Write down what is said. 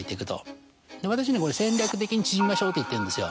私これ「戦略的に縮みましょう」と言ってるんですよ。